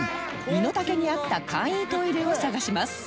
身の丈に合った簡易トイレを探します